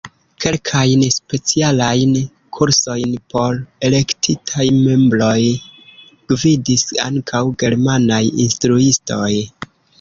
Kelkajn specialajn kursojn por elektitaj membroj gvidis ankaŭ germanaj instruistoj.